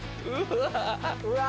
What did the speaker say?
うわ。